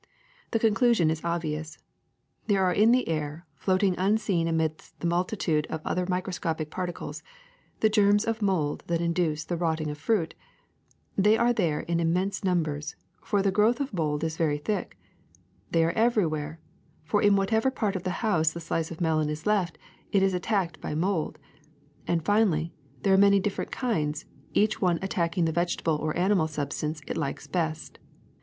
The conclusion is obvious : there are in the air, floating unseen amid the multitude of other microscopic particles, the germs of mold that induce the rotting of fruit ; they are there in immense num bers, for the growth of mold is very thick ; they are everywhere, for in whatever part of the house the slice of melon is left, it is attacked by mold; and, finally, there are many different kinds, each one at tacking the vegetable or animal substance it likes best.